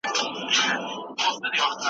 د کندهارپه صنعت کي د پرمختګ لپاره څه اړتیا ده؟